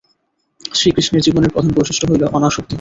শ্রীকৃষ্ণের জীবনের প্রধান বৈশিষ্ট্য হইল অনাসক্তি।